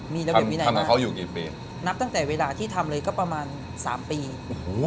มีระเบียบวินัยทำไมเขาอยู่กี่ปีนับตั้งแต่เวลาที่ทำเลยก็ประมาณสามปีโอ้โห